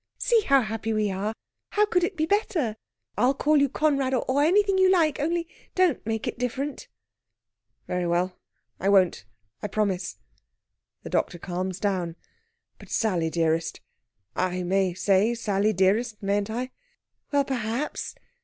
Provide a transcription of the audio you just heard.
See how happy we are! How could it be better? I'll call you Conrad, or anything you like. Only, don't make it different." "Very well, I won't. I promise!" The doctor calms down. "But, Sally dearest I may say Sally dearest, mayn't I?..." "Well, perhaps.